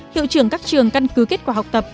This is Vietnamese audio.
hiệu trưởng các trường căn cứ kết quả học tập